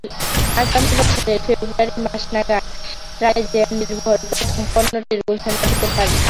আগামী বছরের ফেব্রুয়ারি মাস নাগাদ টাইজেননির্ভর প্রথম পণ্যটির ঘোষণা দিতে পারে স্যামসাং।